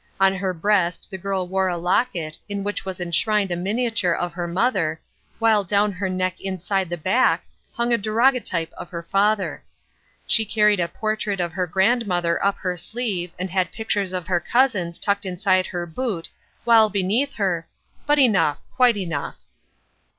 On her breast the girl wore a locket in which was enshrined a miniature of her mother, while down her neck inside at the back hung a daguerreotype of her father. She carried a portrait of her grandmother up her sleeve and had pictures of her cousins tucked inside her boot, while beneath her— but enough, quite enough.